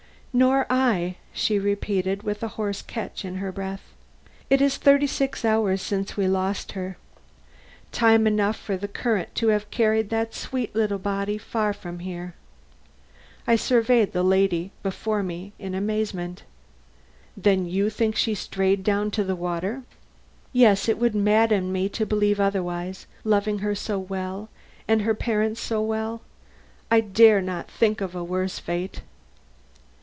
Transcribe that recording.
"Nor I," she repeated, with a hoarse catch in her breath. "It is thirty six hours since we lost her. Time enough for the current to have carried her sweet little body far away from here." I surveyed the lady before me in amazement. "Then you think she strayed down to the water?" "Yes; it would madden me to believe otherwise; loving her so well, and her parents so well, I dare not think of a worse fate."